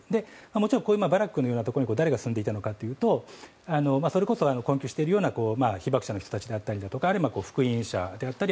もちろんバラックのようなところに誰が住んでいたのかというとそれこそ、困窮しているような被爆者の人だったりとかあるいは復員者だったり